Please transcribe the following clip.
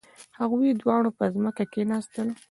هغوی دواړه په ځمکه کښیناستل.